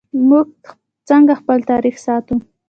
موږ څنګه خپل تاریخ ساتو؟